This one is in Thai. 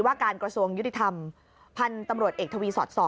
ว่าการกระทรวงยุติธรรมพันธุ์ตำรวจเอกทวีสอด๒